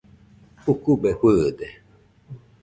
Ukube fɨɨde.